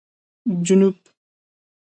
جنوب